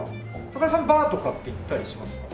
高田さんバーとかって行ったりしますか？